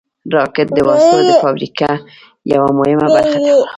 راکټ د وسلو د فابریکو یوه مهمه برخه ده